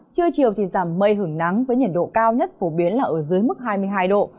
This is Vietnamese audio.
trưa chiều thì giảm mây hưởng nắng với nhiệt độ cao nhất phổ biến là ở dưới mức hai mươi hai độ